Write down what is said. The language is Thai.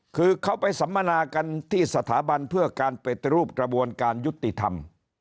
คือเขาไปสัมมนากันที่สถาบันเพื่อการปฏิรูปกระบวนการยุติธรรม